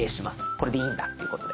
これでいいんだっていうことで。